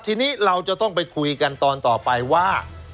ทีนี้เราจะต้องไปคุยกันตอนต่อไปว่า